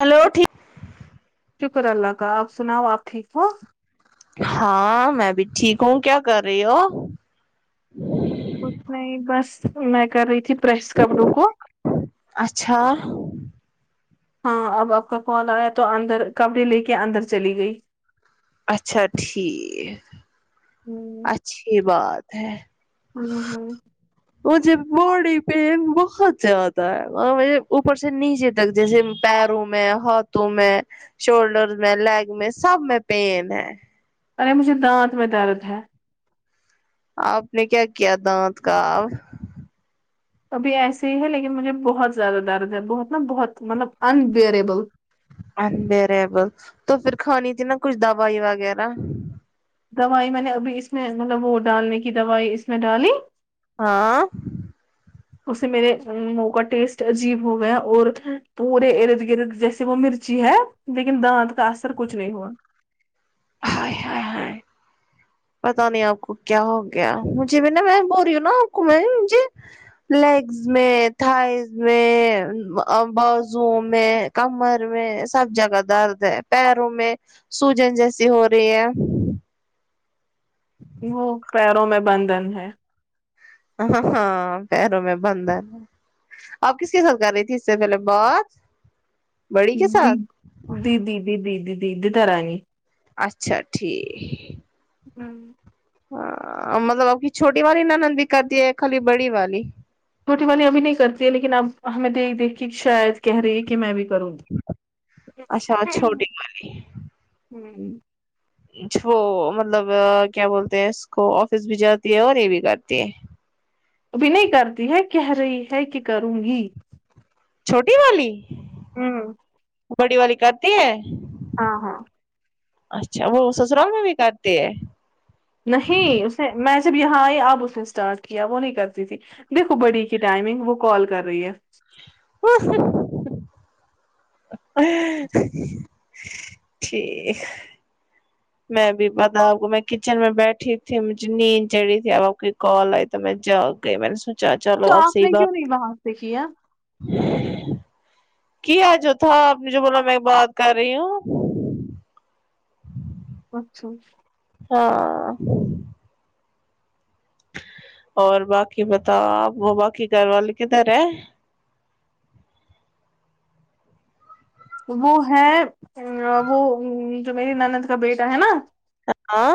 hello ٹھیک شکر اللہ کا ا پ سناؤ آپ ٹھیک ہو ہاں میں بھی ٹھیک ہوں کیا کر رہی ہو کچھ نہیں بس میں کر رہی تھی پریس کپڑوں کو اچھا ہاں اب آپ کا کال آیا تو اندر کپڑے لے کے اندر چلی گئی اچھا ٹھیک ہوں اچھی بات ہے ہوں ہوں مجھے باڈی پین بہت زیادہ ہے وہ مجے اوپر سے نیچے تک جیسے پیروں میں ہاتھوں میں شولڈرز میں لیگ میں سب میں پین ہے ارے مجھے دانت میں درد ہے آپ نے کیا کیا دانت کا اب ابھی ایسے ہی ہے لیکن مجھے بہت زیادہ درد ہے بہت نا بہت مطلب انبیئریبل انبیریبل تو پھر کھانی تھی نا کچھ دوائی وغیرہ دوائی میں نے ابھی اس میں مطلب وہ ڈالنے کی دوائی اس میں ڈالی ہاں اس سے میرے منہ کا ٹیسٹ عجیب ہو گیا ہے اور پورے ارد گرد جیسے وہ مر چی ہے لیکن دانت کا اثر کچھ نہیں ہوا ہائے ہائے ہائے پتا نہیں آپ کو کیا ہو گیا مجھے بھی نا میں بول رہی ہوں نا آپ کو میں مجھے لیگز میں تھائز میں ا بازو میں کمر میں سب جگہ درد ہے پیروں میں سوجن جیسی ہو رہی ہے وہ پیروں میں بندھن ہے ہاں ہاں پیروں میں بندہن ہے اب کس کے ساتھ کر رہی تھی اس سے پہلے بات بڑی کے دی ساتھ دیدی دیدی دیدی دی دھرانی اچھا ٹھیک نم ہاں مطلب اب کی چھوٹی والی نند بھی کر دی ہے خالی بڑی والی چھوٹی والی ابھی نہیں کرتی ہے لیکن اب ہمیں دیکھ دیکھ کے شاید کہہ رہی ہے کہ میں بھی کروں گی اچھا چھوٹی والی ہوں ی چھو وہ مطلب کیا بولتے ہیں اس کو آفس بھی جاتی ہے اور یہ بھی کرتی ہے ابھی نہیں کرتی ہے کہہ رہی ہے کہ کروں گی چھوٹی والی ہوں بڑی والی کرتی ہے ہاں ہاں اچھا وہ سسرال میں بھی کرتی ہے نہیں اس نے میں جب یہاں آئی اب اس نے اسٹارٹ کیا وہ نہیں کرتی تھی دیکھو بڑی کی ٹائمنگ وہ کال کر رہی ہے [inaudible] ٹھیک میں بھی پتا آپ کو میں کچن میں بیٹھی تھی مجھے نیند چڑھی تھی اب آپ کی کال آئی ت میں جاؤ گ میں نے سوچ چلو تو آپ سی نے بات کیوں نہیں وہاں سے کیا کیا جو تھا آپ نے جو بولا میں بات کر رہی ہوں اچھا ہاں اور باقی بتاؤ آپ وہ باقی گھر والے کدھر ہے وہ ہے ا وہ جو میری نند کا بیٹا ہے نا ے اں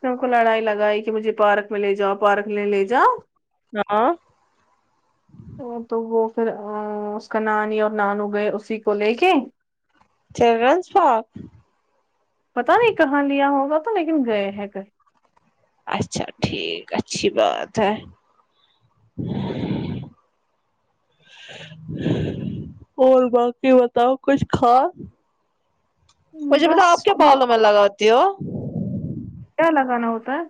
سب کو لڑائی لگائی کہ مجھے پارک میں لے جاؤ پارک میں لے جاؤ نہ اں وہ تو وہ پھر ا اس کا نانی اور نانو گئے اسی کو لے کے کے چلڈرنس پارک پتا نہیں کہاں لیا ہوگا تو لیکن گئے ہیں کہیں اچھا ٹھیک اچھی بات ہے اور باقی بتاؤ کچھ کھا کہیں مجھے بس بتاؤ اپ کیا بالوں میں لگاتی ہو کیا لگانا ہوتا ہے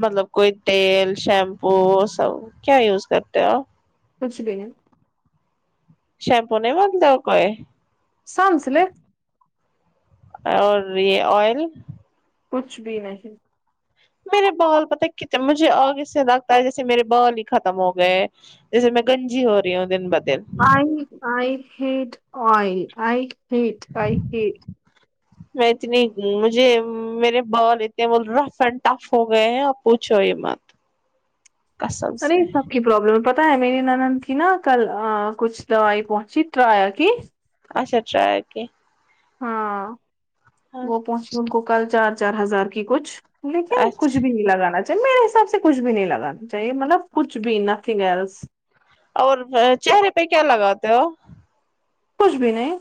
مطلب کوئی تیل شیمپو سب کیا یوز کرتے ہو کچھ بھی نہیں شیمپو نہیں بدلا کوئی سانس لے اور یہ ایل کچھ بھی نہیں میرے بال پتا کنے مجھے اگے سے لگتا ہے جیسے میرے بال ہی ختم ہو گئے جیسے میں گنجی ہو رہی ہوں دن با دن I I hate I I hate I hate میں اتنی مجھے میرے بال اتنے رف اینڈ ٹف ہو گئے ہیں اب پوچھو ہی مت کسم سرے سے [unintelligible] پرابلم پتا ہے میری نند کی نا کل کچھ دوائی پہنچی ٹرایا کی اچھا ٹرایا کی ہاں وہ پہنچی ان کو کل چار چار ہزار کی کچھ لیکن کچھ اچھا بھی نہیں لگانا جب میرے حساب سے کچھ بھی نہیں لگانا چاہیے مطلب کچھ بھی نہ تھنگ الس اور بھ چہرے پہ کیا لگاتے ہو کچھ بھی نہیں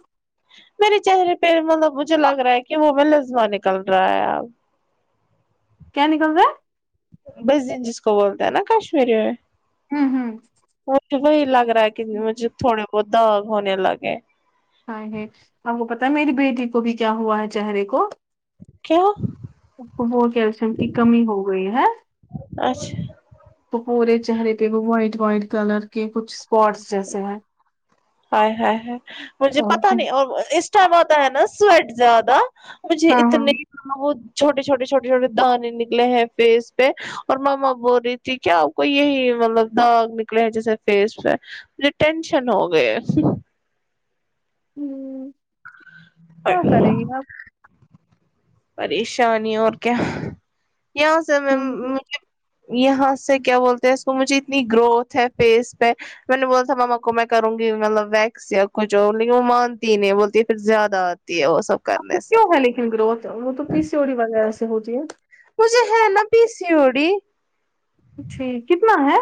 میرے چہرے پہ مطلب مجھے لگ رہا ہے کہ وہ نزلہ نکل رہا ہے کیا نکل رہا ہے بزے جس کو بولتے ہیں نا کشمیری میں ہمم ہمم مجھے وہی لگ رہا ہے کہ مجھے تھوڑے بہت داغ ہونے لگے ہم [unintelligible] آپ کو پتا ہے میری بیٹی کو بھی کیا ہوا ہے چہرے کو کیوں وہ کیلشیم کی کمی ہو گئی ہے اچھا تو پورے چہرے پہ وہ وائٹ وائٹ کلر کے کچھ اسپاٹس جیسے ہیں ایےہاے مجھے پتا نہیں اور اس ٹائم اتا ہے نا سویٹ زیادہ مجھے ہاں ہاں اتنے وہ چھوٹے چھوٹے چھوٹے چھوٹے دانے نکلے ہیں فیس پہ اور ماما بول ری جی کیا اپ کو یہی مطلب داغ نکلے ہیں جیسے فیس پہ مجھے ٹینشن ہو گئے ہمم اچ [unintelligible] پریشانی اور کیا یہاں سے میں ہوں یہاں سے کیا بولتے ہیں اس کو مجھے اتنی گروتھ ہے فیس پہ میں نے بول تھا ماما کو میں کروں گی مطلب ویکس یا کچھ لیکن وہ مانتی نہیں بولتی پھر زیادہ [unintelligible] تی ہے وہ سب کر تو کیوں ہے لیکن گروتھ وہ تو پی سی او ڈی وغیرہ سے ہوتی ہے مجھے ہے نا پی سی او ڈی جی کتنا ہے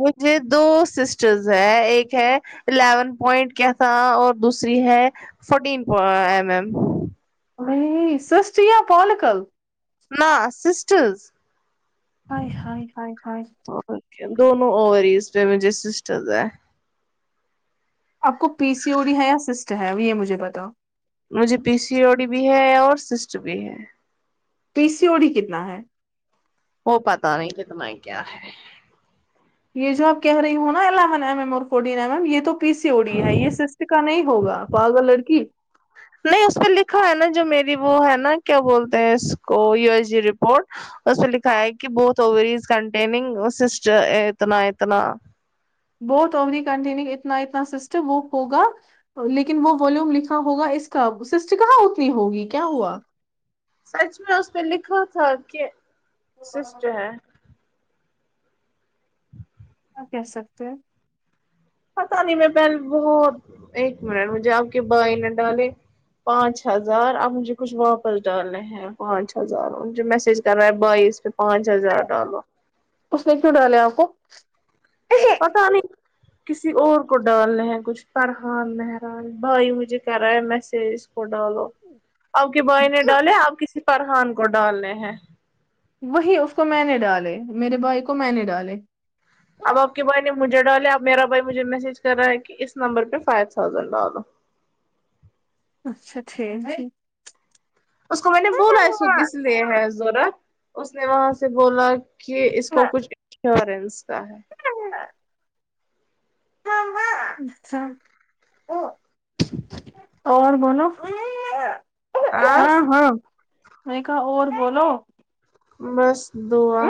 مجھے دو سسٹرز ہیں ایک ہے الیون پوائنٹ کیا تھا اور دوسری ہے فورٹین ایم ایم نہیں [unintelligible] سسیا پالکل نہ سسٹرز آے ہاے ہاے ہاے اوکے دونوں اور ایز پہ مجھے سسٹرز ہیں آپ کو پی سی او ڈی ہے یا سسٹ ہے یہ مجھے بتاؤ مجھے پی سی او ڈی بھی ہے اور سسٹ بھی ہے پی سی او ڈی کتنا ہے وہ پتا نہیں کتنا ہی کیا ہے یہ جو آپ کہہ رہی ہو نا الیون ایم ایم اور فورٹین ایم ایم یہ تو پی سی او ڈی ہے یہ سسٹ کا نہیں ہوگا پاگل لڑکی نہیں اس پہ لکھا ہے نا جو میری وہ ہے نا کیا بولتے ہیں اس کو یو ایس جی رپورٹ اس پے لکھا ہے کہ بہت اوورز کنٹیننگ سسٹ اتنا اتنا بوت اوری کنٹینو اتنا اتنا سسٹم وہ ہوگا لیکن وہ والیوم لکھا ہوگا اس کا سسٹ کہاں اتنی ہوگی کیا ہوا سچ میں اس نے لکھا تھا کہ سسٹ کیا ہے آپ کہ سکتے ہیں پتاہ نہیں میں پہلے بہت ایک منٹ مجھے آپ کے بھائی نے ڈالے پانچ ہزار آپ مجھے کچھ واپس ڈالیں ہے پانچ ہزار مجھے میسج کر رہا ہے بھائی اس پے پانچ ہزار ڈالو اس نے کیوں ڈالے آپ کو پتہ نہیں کسی اور کو ڈالنے ہے کچھ فرحان مہران بھائی مجھے کرا ہے میسج کو ڈالو آپ کے بھائی نے ڈالے آپ کسی فرحان کو ڈالنے ہیں وہی اس کو میں نے ڈالے میرے بھائی کو میں نے ڈالے اب آپ بھائی نے مجھے ڈالے اب میرا بھائی مجھے میسج کر رہا ہے کہ اس نمبر پہ فائیو تھاؤزینڈ ڈالو اچھا ٹھیک ٹھیک اس کو میں نے بولا اس کو کس ٹھیک لیے ہے ضورت اس نے وہاں سے بولا کہ اس کو کچھ انشورنس کا ہے [unintelligible] [unintelligible] اور بولو ہاں ہاں میں نے کہا اور بولو بس دعا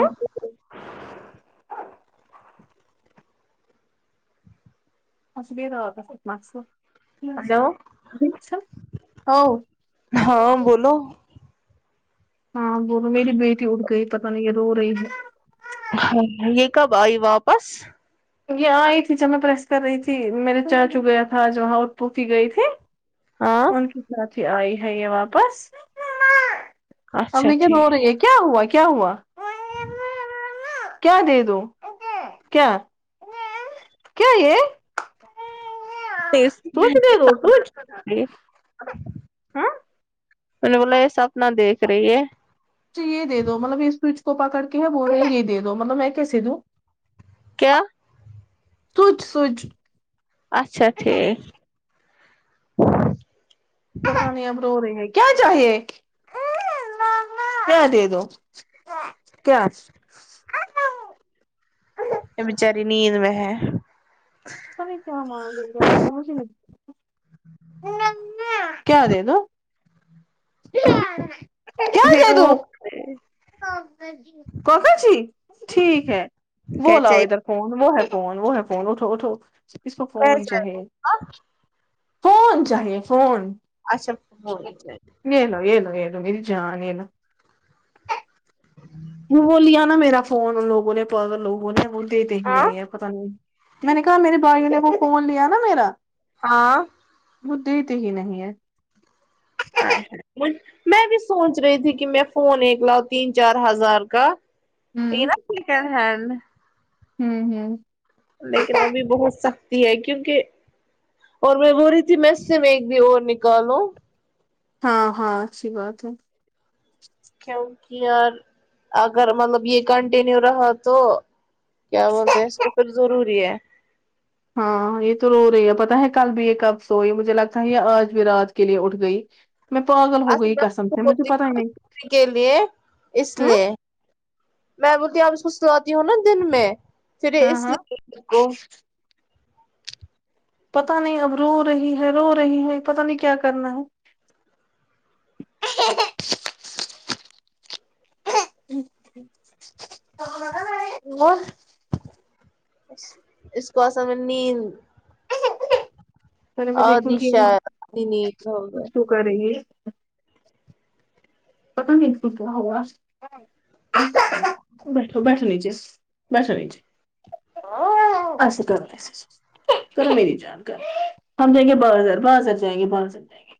[unintelligible] ہنس بھی رہا ہلو تھا ہاں بولو ہاں بولو میری بیٹی اٹھ گئی پتا نہیں یہ رو رہی ہے ہاں یہ کب آئی واپس یہ آئی تھی جب میں پریس کر رہی تھی میرے چاچو گیا تھا آج وہاں اور پھوپھی گئی تھی ہاں ان کے ساتھ ہی آئی ہے یہ واپس اچھا امی کیوں ٹھیک رو رہی ہے کیا ہوا کیا ہوا مما کیا دے دوں کیا کیا یہ سوچ دے دو سوچ [unintelligible] ہاں میں نے بولا یہ سپنا دیکھ رہی ہے جی یہ دے دو مطلب اس کو اس کو پکڑ کے ہے وہ ہے یہ دیدو مطلب میں کیسے دوں کیا تچ سچ اچھا ٹھیک پتا نہیں اب رو رہی ہیں کیا چاہئے مما کیا دے دو کیا یہ بچاری نیند میں ہے پتہ نہیں کیا مانگے گے ہمیں سمجھ نہیں کیا دے دو کیا دے دوں ضرور کوکا جی ٹھیک ہے وہ کیا لاؤ چاہیے ادھر فون وہ ہے فون وہ ہے فون اٹھو اٹھو اس کو فون چاہیے فون چاہیے فون اچھا فون چاہیے نے لو یہ لو یہ لو میری جان یہ لو وہ وہ لیا نہ میرا فون ان لوگوں نے پاگل لوگوں نے وہ د یتے ہی ہاں نہیں ہے پتا نہیں میں نے کہا میری بھائیوں نے وہ فون لیا نہ میرا ہاں وہ دیتے ہی نہیں ہے ہاے [unintelligible] میں بھی سوچ رہی تھی کہ میں فون ایک لاؤ تین چار ہزار کا یہ ہوں نہ سیکنڈ ہینڈ ہوں ہوں لیکن ابھی بہت سختی ہے کیونکہ اور میں بول رہی تھی میں سیم ایک بھی اور نکالوں ہاں ہاں اچھی بات ہے کیونکہ یار اگر مطلب یہ کنٹینیو رہا تو کیا بولتے ہیں اسکو پھر ضروری ہے ہاں یہ تو رو رہی ہے پتا ہے کل بھی یہ کب سوئی مجھے لگتا ہے یہ آج بھی رات کے لیے اٹھ گئی میں پاگل ہو اصل گئی قسم سے مجھے پتا ہی نہیں میں کے لیے اس ہوں لیے میں بولتی آپ اس کو سلاتی ہوں نہ دن میں پھر ہاں اس ہاں لیے کو پتا نہیں اب رو رہی ہے رو رہی ہے پتا نہیں کیا کرنا ہے [unintelligible] اس کو اصل میں نیند پہلے میں دیکھوں آدھی گی شاید آدھی نیند ہو گئے کچھ تو کر رہی ہے پتا نہیں اس کو کیا ہوا بیٹھو بیٹھو نچے بیٹھو نچے [unintelligible] کرو میری جان کرو ہم جاے گے بازار بازار جائیں گے بازار گے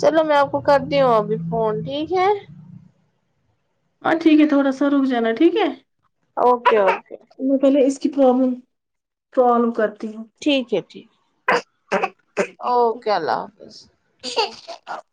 چلو میں آپ کو کرتی ہوں ابھی فون ٹھیک ہے ہاں ٹھیک ہے تھوڑا سا رک جانا ٹھیک ہے اوکے اوکے میں پہلے اس کی پرابلم پرابلم کرتی ہوں ٹھیک ہے ٹھیک اوکے اللہ حافظ [unintelligible]